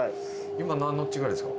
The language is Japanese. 今何ノッチぐらいですか？